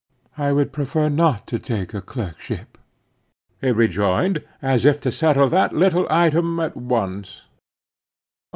"I would prefer not to take a clerkship," he rejoined, as if to settle that little item at once.